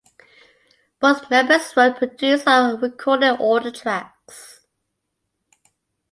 Both members wrote, produced, and recorded all the tracks.